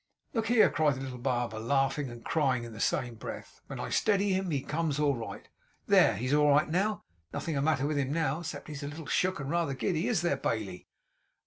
'Look here!' cried the little barber, laughing and crying in the same breath. 'When I steady him he comes all right. There! He's all right now. Nothing's the matter with him now, except that he's a little shook and rather giddy; is there, Bailey?